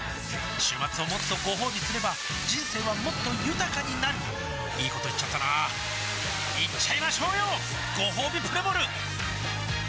週末をもっとごほうびすれば人生はもっと豊かになるいいこと言っちゃったなーいっちゃいましょうよごほうびプレモル